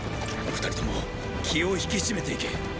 二人とも気を引きしめて行け。